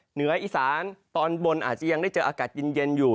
เหนืออีสานตอนบนอาจจะยังได้เจออากาศเย็นอยู่